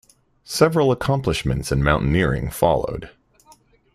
Several accomplishments in mountaineering followed.